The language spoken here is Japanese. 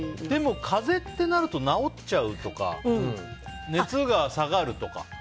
でも、風邪ってなると治っちゃうとか熱が下がるとか。